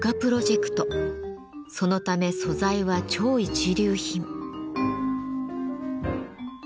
そのため素材は超一流品。